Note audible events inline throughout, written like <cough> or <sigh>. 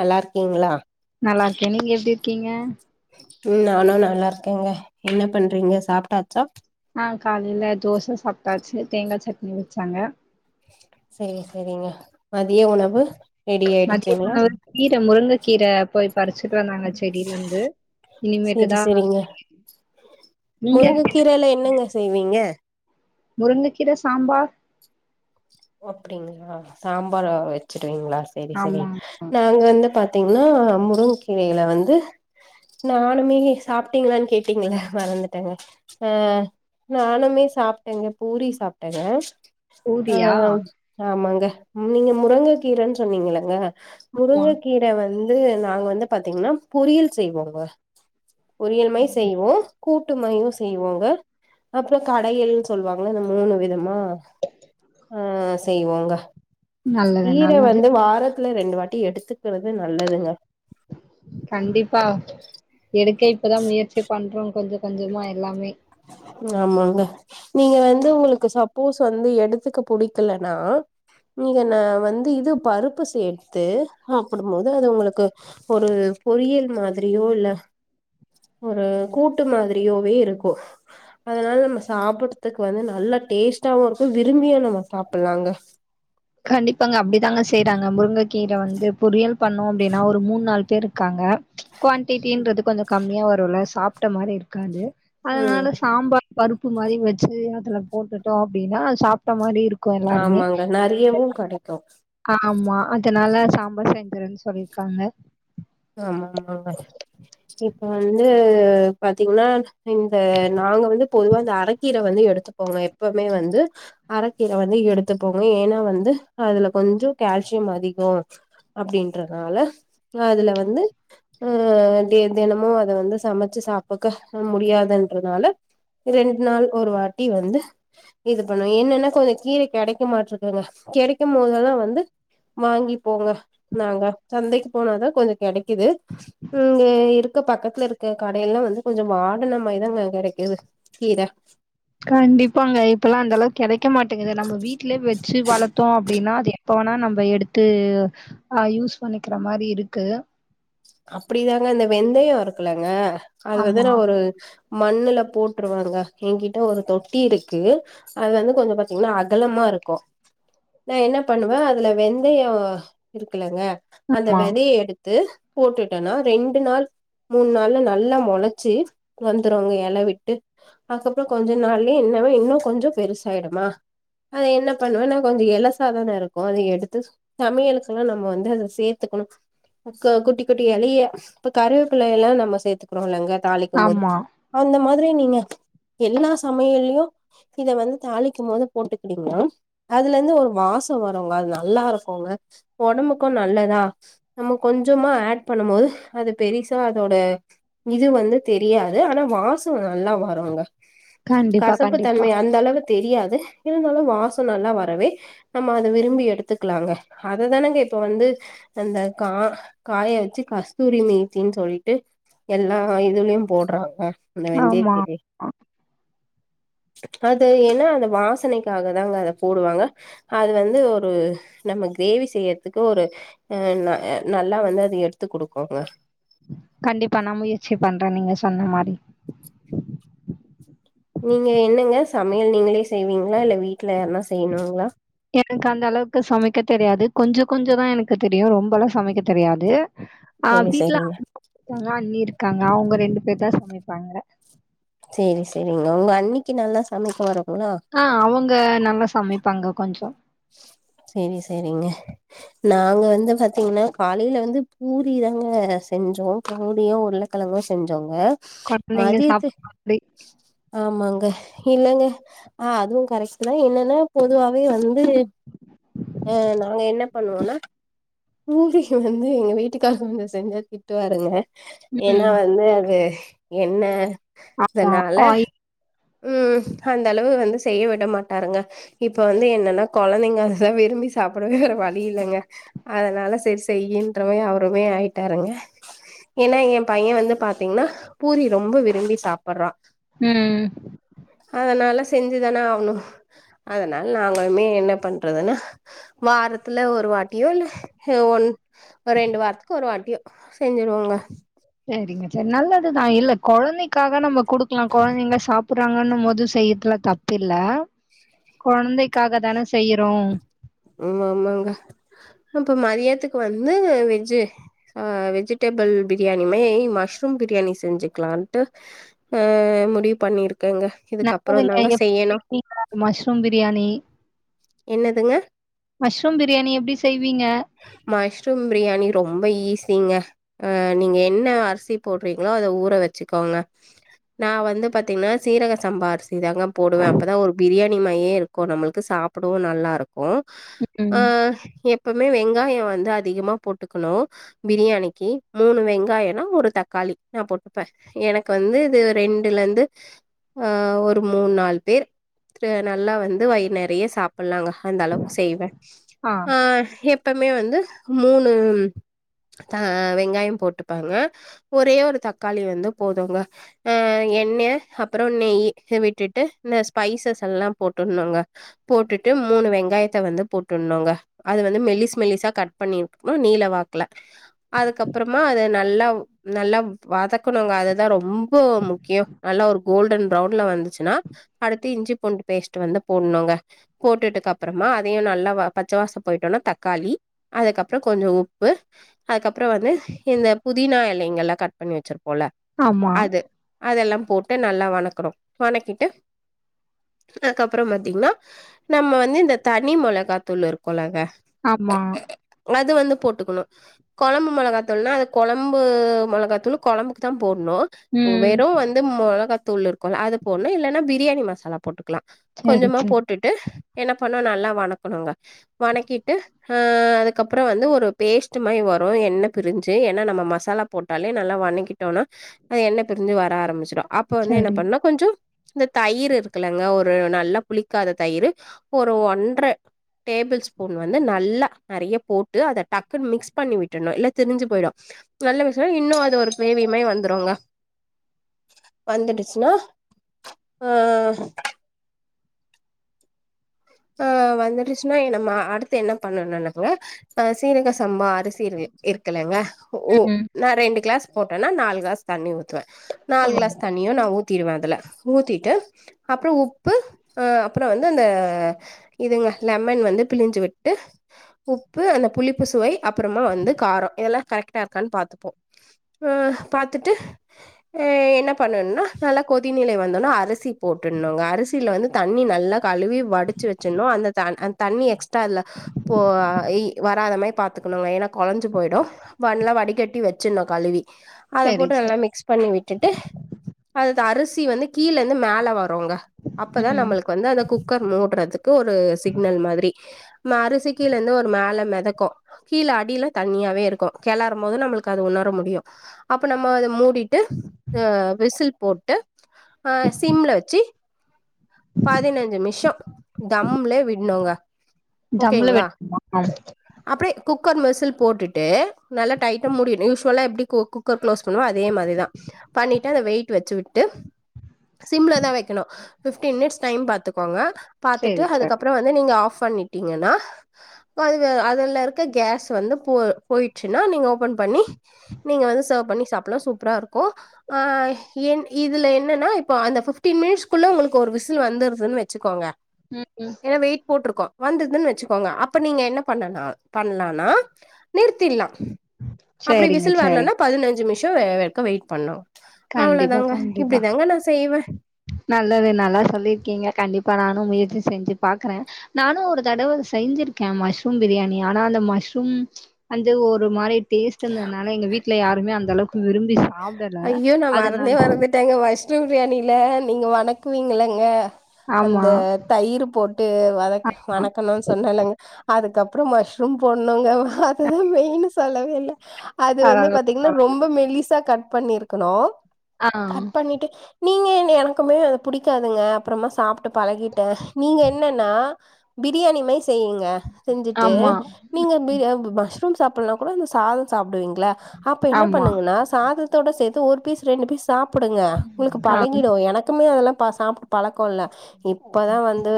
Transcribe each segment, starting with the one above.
நல்லா இருக்கீங்களா நல்லாருக்க நீங்க எப்டி இருக்கீங்க ம் நானு நல்லாருக்கேங்க என்ன பண்றீங்க சாப்ட்டாச்சா அ காலைல தோச சாப்ட்டாச்சு தேங்கா சட்னி வச்சாங்க சேரி சேரிங்க மதிய உணவு ரெடி ஆயிடுச்சுங்களா மதியானோ ஒரு கீர முருங்க கீர போய் பறிச்சுட்டு வந்தாங்க செடில லந்து சேரி இனிமேட்டுதா சேரிங்க முருங்கக்கீரைல என்னங்க செய்வீங்க முருங்கக்கீர சாம்பார் அப்டிங்ளா சாம்பாரா வச்சிருவீங்ளா சேரி சேரி ஆமா ஆமா நாங்க வந்து தீங்னா நா முருங் கீரைல வந்து நானுமே சாப்ட்டீங்ளான் கேட்டீங்ள மறந்துட்டங்க அ நானுமே சாப்ட்டங்க பூரி சாப்ட்டங்க ஊரி அ ஆமாங்க நீங்க முரங்க கீரன் சொன்னீங்கல்லங்க ஆமா முருங்கக்கீர வந்து நாங்க வந்து பாத்தீங்கனா பொரியல் செய்வோங்க பொரியல்மை கண்டி- செய்வோ கூட் டுமயு செய்வோங்க அப்றோ கடையல் சொல்வாங்க இந்த மூணு விதமா அ செய்வோங்க நல்லது கீர நல்லது வந்து வாரத் துல ரெண்டு வாட்டி எடுத்துக்குறது நல்லதுங்க கண்டிப்பா எடுக்க இப்பதா முயற்சி பண்றோ கொஞ்ச கொஞ்சமா எல்லாமே ஆமாங்க நீங்க வந்து உங்களுக்கு சப்போஸ் வந்து எடுத்துக்க புடிக்கலனா நீங்க நா வந்து இது பருப்பு சேர்த்து சாப்புடும்போது அது உங்களுக்கு ஒரு பொறியல் மாத்ரியோ இல்ல ஒரு கூட்டு மாத்ரியோவே இருக்கு அதனால நம்ம சாப்புட்றதுக்கு வந்து நல்லா டேஸ்டாவு இருக்கு விரும்பியு நம்ப சாப்புட்லாங்க கண்டிப்பாங்க அப்படி தாங்க செய்றாங்க முருங்க கீரை வந்து பொறரியல் பண்ணோம் அப்படின்னா ஒரு மூண் நால் பேர் இருக்காங்க குவாடிட்டின்றது கொஞ்ச கம்மியா வருல சாப்ட்ட மாரி இருக்காது ம் அதனால சாம்பார் பருப்பு மாரி வச்சு அதுல போட்டுட்டோ அப்டின்னா சாப்ட்ட மாரி இருக்கு எல்லாருமே றியவு கடைக்கு ஆமா அதனால சாம்பார் செஞ்சரன்னு சொல்லிர்க்காங்க ஆமாமாங்க இப்ப வந்து பாத்தீங்னா இந்த நாங்க வந்து பொதுவா இந்த அரக்கீர வந்து எடுத்துப்போங்க எப்பமே வந்து அரக்கீர வந்து எடுத்துப்போங்க ஏன்னா வந்து அதுல கொஞ்சோ கால்சியம் அதிகோ அப்டின்றனால நா அதுல வந்து அ தெனமு அத வந்து சமச்சு சாப்பக்க முடியாதுன்றனால ரெண்ட் நாள் ஒரு வாட்டி வந்து இது பண்ணுவோம் என்னன்னா கொஞ்ச கீர கெடக்க மாட்டிருக்கங்க கிடைக்கும் மோதல்லா வந்து வாங்கி போங்க நாங்க சந்தைக்கு போனாதா கொஞ்ச கொடக்கிது இங்க இருக்க பக்கத்துல இருக்க கடையெல்லா வந்து கொஞ்சம வாடன மாரிதான்ங்க கெடக்கிது ஏவு கீர கண்டிப்பா அங்க இப்பல்லா அந்த அளவுக்கு கெடக்க மாட்டேங்குது நம்ம வீட்லே வெச்சு வளத்தோ அப்டின்னா அத எப்பவனா நம்ப எடுத்து அ யூஸ் பண்ணிக்கிற மாரி இருக்கு அப்டிதாங்க இந்த வெந்தயோ இருக்கலங்க அது வந்து ஆமா நா ஒரு மண்ணுல போட்டுருவாங்க எங்கிட்ட ஒரு தொட்டி இருக்கு அது வந்து கொஞ்சோ பாத்தீங்கன்னா அகலமார் ருக்கோ நா என்ன பண்ணுவ அதுல வெந்தயோ இருக்கலங்க அந்த ஆமா வெதைய எடுத்து போட்டுட்டேனா ரெண்டு நாள் மூண் நாள்ல நல்லா மெளச்சி வந்துரோங்க எலவிட்டு அதுக்கப்புறோ கொஞ்ச நாள்ளே என் இன்னு கொஞ்சோ பெருசாய்டுமா அத என்ன பண்ணுவேன்னா கொஞ்சோ எலசாதான இருக்கு அத எடுத்து சமையல்க்குல்லா நம்ப வந்து அத சேர்த்துட் குனு அக்கா கூப்டிக் கூட்டிய எளைய இப்ப கருவேப்பிள்ள எல்லா நம்ம சேர்த்துக்குறோ இலங்க தாளிக்கும் போது ஆமா அந்த மாரி <unintelligible> நீங்க எல்லா சமையல்லயு இத வந்து தாளிக்கும் போது போட்டுக்கிட்டீங்கனா அதுலந்து ஒரு வா சோ வரோங்க அது நல்லாருக்கோங்க ஒடம்புக்கு நல்லதா நம்ம கொஞ்சம் ஆட் பண்ணும்போது அது பெருசா அதோட இது வந்து தெரியாது ஆனா வாசோ நல்லா வரோங்க கண்டிப்பா கசப்பு கண்டிப்பா தன்மை அந்த அளவுக் தெரியாது இருந்தாலு வாசோ‌ நல்லா வரவே நம்ம அத விரும்பி எடுத்துக்கலாங்க அதுதானேங்க இப்ப வந்து அந்த கா காய வெச் சி கஸ்தூரி மீ்த்தின்னு சொல்லிட்டு எல்லா இதுலயு போடுறாங்க அந்த வெந்தைய ஆமா கீரே அது ஏன்னா அந்த வாசனைக்காக தாங்க அத போடுவாங்க அது வந்து ஒரு நம்ம கிரேவி செய்யற்துக்கு ஒரு அ ந அ நல்லா வந்து அது எடுத்து குடுக்கோங்க கண்டிப்பா நா முயற்சி பண்ற நீங்க சொன்ன மாதிரி நீங்க என்னங்க சமையல் நீங்களே செய்வீங்ளா இல்ல வீட்டுல யார்னா செய்ணுங்ளா எனக்கு அந்த அளவுக்கு சமைக்க தெரியாது கொஞ்சோ கொஞ்சோ தா எனக்கு தெரியு ரொம்பலா சமைக்க தெரியாது அ சேரி வீட்டுல சேரிங்க அண்ணி இருக்காங்க அவங்க ரெண்டு பேர்தா சமைப்பாங்க சேரி செரிங்க உங்க அண்ணிக்கு நல்லா சமைக்க வருங் அ அவுங்க நல்லா சமைப்பாங்க கொஞ்சோ செரி செரிங்க நாங்க வந்து பாத்தீங்கன்னா காலைல வந்து பூரிதாங்க செஞ்சோ பூரியு உருளக்கெலங் கோ செஞ்சோங்க குழந்தைங்க மதியத்து சாப்பிடுற மாதிரி. ஆமாங்க இல்லங்க அ அதுவு கரெக்ட்டு‌ தா என்னன்னா பொதுவாவே வந் து அ நாங்க என்ன பண்ணுவோன்னா ஊர்ல வந்து வீட்டுக்காரங்க செஞ்சா திட்டுவாருங்க ஏன்னா ம். வந்து அது என்ன அ அ ஓய் ம் அந்த அளவு வந்து செய்ய விட மாட்டாருங்க இப்ப வந்து என்னன்னா கொழந்தைங்க அததா விரும் பி சாப்பிடவே வேற வழி இல்லங்க அதனால செரி செய்யின்ற மாரி அவருமே ஆயிட்டாருங்க ஏன்னா எ பைய வந்து பாத்தீங்ன்னா பூரி ரொம்ப விரும்பி சாப்பற்றா ம் செஞ்சி தானே ஆவுணு அதனால நாங்களுமே என்ன பண்றதுன்னு வாரத்துல ஒரு வாட்டியோ இல்ல ஒன் ரெண்டு வாரத்துக்கு ஒரு வாட்டியோ செஞ்சிருவோங்க செரிங்க செரி நல்லதுதா இல்ல கொழந்தைக்காக நம்ம குடுக்கலா கொழந்தைங்க சாப் புறாங்கன்னும் போது செய்யற்துல தப்பில்ல கொழந்தைக்காக தானே செய்யிறோ ம் ஆமாங்க இப்ப மதியத்துக்கு வந்து வெஜ்ஜு அ வெஜிடேப் புள் பிரியாணியுமே மஷ்ரூம் பிரியாணி செஞ்சுக்கலான்ட்டு அ முடிவு பண்ணிருக் ருக்கேங்க இதுக்கப்புறோ நல்லதுங்க. தாங்க எப்படி செய்யணு செய்வீங்க? மஷ்ரூம் பிரியாணி. என்னதுங்க மஷ்ரூம் பிரியாணி எப்படி செய்வீங்க? மஷ்ரூம் பிரியாணி ரொம்ப ஈஸிங்க அ நீங்க என்ன அரிசி போட்றீங்களோ அத ஊற வெச்சிக்கோங்க நா வந்து பாத்தீங்கன்னா சீரக சம்பா அரிசிதாங்க போடுவ அப்பதா ஒரு பிரியாணி மாரியே இருக்கு நம்மளுக்கு சா ப்பிடவு நல்லா இருக்கு ம். ஆ எப் பவுமே வெங்காயோ வந்து அதிகமா போட்டுக்கணு பிரியாணிக்கு மூணு வெங்காயன்னா ஒரு தக்கா ளி நா போட்டுப்ப எனக்கு வந்து இது ரெண்டுலந்து ஆ ஒரு மூண் நால் பேர் அ நல்லா வந்து வயிறு நெறய சாப்லாங்க அந்த அளவுக்கு செய்வே ஆ எப்பமே வந்து மூணு த வெங்காயம் போட்டுப்பங்க ஒரே ஒரு தக்காளி வந்து போதுங்க ஆ எண்ணய அப்புறோ நெய் விட்டுட்டு இந்த ஸ்பைசஸ் எல்லாம் போட்டுணுங்க போட்டுட்டு மூணு வெங்காய த்த வந்து போட்டுணுங்க அது வந்து மெலிஸ் மெலிசா கட் பண்ணிறுக்கணு நீளவாக்ல அதுக்கப் ப்புறமா அத நல்லா நல்லா வதக்கணுங்க அதுதா ரொம்போ முக்கியோ நல்லா ஒரு கோல்டு டன் ப்ரவுண்ல வந்துச்சுன்னா அடுத்து இஞ்சி பூண்டு பேஸ்ட் வந்து போடுணுங்க போட்டுட்டுக்கு அப்பற மா அதையு நல்லா வ பச்சவாசோ போயிட்டொன்ன தக்காளி அதுக்கப்றோ கொஞ்சோ உப்பு அதுக்கப்றோ வந்து இந்த புதினா இலைங்கெல்லா கட் பண்ணி வெச்சிருப்போல்ல ஆமா. அது அதெல்லாம் போட்டு நல்லா வணக்குறோ வணக்கிட்டு அதுக்கப்பறம் பாத்தீங்கன்னா நம்ம வந்து இந்த தனி மொளகாத்தூள் இருக்குல்லங்க ஆமா அது வந்து போட்டுக்கணு கொழம்பு மெளகாத்தூள்னா அது கொழம்பு மெளகாத்தூள் கொழம்புக்குதா போட்ணு ம் வெறு வந்து மெளகாத்தூள் இருக்குல்ல அது போட்ணு இல்லன்னா பிரியாணி மசாலா போட்டு க்கலா சரி கொஞ்சமா சரி போட்டுட்டு என்ன பண்ணோ நல்லா வணக்கணுங்க வணக்கிட்டு அ அதுக்கப்பறோ வந்து ஒரு பேஸ்ட்டு மாரி வரு எண்ண பிரிஞ்சு ஏனா நம்ம மசாலா போட்டாலே நல்லா வணிக்கிட்டோனா அது எண்ண பிரிஞ்சு வர ஆரம்பிச்சிரு அப்ப வந்து என்ன சரி பண்னுனா கொஞ்சோ இந்த தயிர் இருக்குல்லங்க ஒரு நல்லா புளிக்காத தயிரு ஒரு ஒன்ற டேபிள் ஸ்பூன் வந்து நல்லா நெறயா போட்டு அத டக்குன்னு மிக்ஸ் பண்ணி விட்டுறணு இல்ல திரிஞ்சு போயிறு நல்ல விஷயம் இன்னு அது ஒரு க்ரேவி மாரி வந்துருங்க வந்துடுச்சின்னா ஆ ஆ வந்துடுச்சின்னா நம்ம அடுத்து என்ன பண்ணணுனாங்க ஆ சீரக சம்பா அரிசி இருக்கல்லங்க ஓ ம் நா ரெண்டு கிளாஸ் போட்டொன்னா நாலு கிளாஸ் தண்ணி ஊத்துவே நாலு கிளாஸ் ம் தண்ணியு நா ஊ த்திறுவே அதுல ஊத்திட்டு அப்புறோ உப்பு அப்புறோ வந்து அந்த இதுங்க லெமன் வந்து பிழிஞ்சு விட்டு உப்பு அந்த புளிப்பு சுவை அப்புறமா வந்து காரோ இதெல்லா கரெக்ட்டா இருக்கான்னு பாத்துப்போ அ ஆ பாத்துட்டு என்ன பண்ணனுனா நல்லா கொதிநிலை வந்தொன்ன அரிசி போட்டுன்னுங்க. அரிசில வந்து தண்ணி நல்லா கழுவி வடிச்சு வெ சின்னோ அந்த தண் அந் தண்ணி எக்ஸ்ட்ரா அதுல போ இய் வராத மாரி பாத்துக்கணுங்க ஏன்னா கொழஞ்சிப்போ போயிடு <unintelligible> வடிகட்டி வச்சின்னு கழுவி அத சரி போட்டு நல்லா சரி மிக்ஸ் பண்ணி விட்டுட்டு அது அரிசி வந்து கீழந்து மேல வரு றவங்க அப்பதா ம் நம்மளுக்கு வந்து அந்த குக்கர் மூட்றதுக்கு க்கு ஒரு சிக்னல் மாதிரி ம்ம அரிசி கீழந்து ஒரு மேல மெதக்கு கீழ அடில தண்ணி னாவே இருக்கோ கெளாறும் போது நம்மளுக்கு அது உணர முடியும் அப்ப நம்ம அத மூடிட்டு விசி ல் போட்டு ஆஹ் சிம்லா வெச்சி பதினஞ்சு மிஷோ தம்லே விட்னோங்க தம்ல ஓகேங்ளா வெட்டணுமா அப்டே குக்கர் மெசில் போட்டுட்டு நல்லா டைட்டா முடிவிட்னோ யூஷுவலா எப்டி கு குக்கர் க்ளோஸ் பண்ணுவோ அதே மாரி தா பண்ணிட்டு அத வெயிட் வெச்சு விட்டு சிம்ள தா வைக்கணு ஃபிப் ஃபிப்டின் மினிட்ஸ் டைம் பாத்துக்கோங்க பாத்துட்டு சரி சரி அதுக்கப்புறோ வந்து நீங்க ஆஃப் பண்ணிட்டிங்கனா அதுவ அதுல இருக்க கேஸ் வந்து போ போயிச்சுனா நீங்க ஓப்பன் பண்ணி நீங்க வந்து சேர்வ் பண்ணி சாப்பலா சூப்பரா இருக்கு ஆஹ் என் இதுல என்னன்ன இப்ப அந்த ஃபிப்டின் மினிட்ஸ்குள்ள உங்களுக் கொர் விசில் வந்துருதுன்னு வச்சுக்கோங்க ம் ம் ஏன்னா வெயிட் போட்டிருக்கோ வந்துருதுன்னு வச்சுக்கோங்க அப்ப நீங்க என்ன பண்ணலா பண்ணலான்னா நிறுத்திற்லா அப்டி சரிங்க விசில் வர்லன்னா சரிங்க பதினஞ்சு மிஷம் வேக்கு வெயிட் பண்ணு கண்டிப்பா அவ்ளோதாங்க கண்டிப்பா இப்டிதாங்க நா செய்வே நல்லது நல்லா சொல்லிருக்கீங்க கண்டிப்பா நானு முயற்சி செஞ்சு பாக்குறே நானு ஒரு தடவ செஞ்சிருக்கே மஷ்ரூம் பிரியாணி ஆனா அந்த மஷ்ரூம் வந்து ஒரு மாரி டேஸ்ட் இருந்ததுனால எங்க வீட்டுல யாருமே அந்தளவுக்கு விரும் ஐயோ நா மறந்தே மறந்துட்டேங்க மஷ்ரும் பிரியாணில நீங்க வணக்குவீங்களங்க ஆமா அந்த தயிர் போட்டு வதக் வனக்கணுன் சொன்னல்லங்க அதுக்கப் அப்புற மஷ்ரூம் போட்ணுங்க அதுதா மெயின்னு சொல்லவே இல்ல அது வந்து பரவா பாத்தீங்ன்னா பரவா ரொம்ப மெலிசா கட் பண்ணிருக்கணு ஆ கட் பண்ணிட்டு நீங்க எங்க எனக்குமே அத புடிக்காதுங்க அப்புறமா சாப்ட்டு பழகிட்டே நீங்க என்னன்னா பிரியாணி மைஸ் செய்யுங்க செஞ்சுட்டு ஆமா நீங்க பிரி மஷ்ரூம் சாப்பிட்லேனா கூட அந்த சாதம் சாப்பிடுவீங் ல அப்ப என்ன ஆமா பண்ணுங்கன்னா த்தோட சேத்து ஒரு பீஸ் ரெண்டு பீஸ் சாப்புடுங்க உங்களுக்கு ஆ பழகிடு எனக்குமே அதெல்லா பா சாப்ட்டு பழக்கோ இல்ல இப்பதா வந்து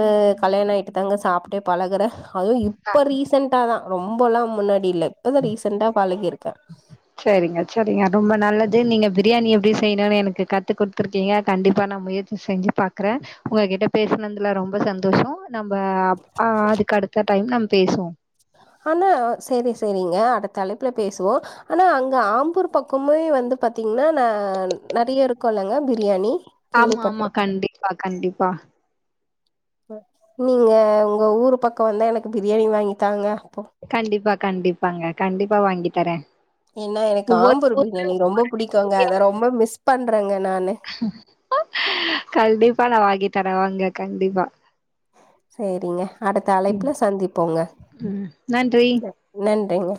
கல்யாண ஆகிட்டுதாங்க சாப்ட்டே பழகுறே அதுவு இப்ப ரீசெண்ட்டாதா ரொம்பல்லா முன்னாடியில்ல இப்பதா ரீசண்டா பழகிருக்கே சரிங்க சரிங்க ரொம்ப நல்லது நீங்க பிரியாணி எப்பிடி செய்யணுன்னு எனக்கு கத்து குடுத்துருக்கீங்க கண்டிப்பா நா முயற்சி செஞ்சு பாக்கறே உங்ககிட்ட பேசுனதுல ரொம்ப சந்தோஷோ நம் <unintelligible> அதுக்கு அடுத்த டைம் நம் பேசுவோ த்த கலப்புல பேசுவோ அனா அங்க ஆம்பூர் பக்கோமே வந்து பாத்தீங்ன்னா ந் நறையருக்கு பண்ணுங்க பிரியாணி ஆமா ஆமா கேள்விப்பட்டுருக்கேன். கண்டிப்பா கண்டிப்பா நீங்க உங்க ஊரு பக்க வந்தா எனக்கு பிரியாணி வாங்கி தாங்க அப்போ. கண்டிப்பா கண்டிப்பாங்க கண்டிப்பா வாங்கி தரே ஏன்னா எனக்கு ஒவ்வொரு ஆம்பூர் ஊர்ல பிரியாணி ரொம்ப புடிக்குங்க ஒவ்வொரு அத ரொம்ப மிஸ் பண்றேங்க நானு. கண்டிப்பா நா வாங்கி தரே வாங்க கண்டிப்பா சேரிங்க அடுத்த ம் அழைப்புல சந்திப்போங்க ம் நன்றி நன்றிங்க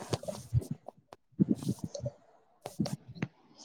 <unintelligible>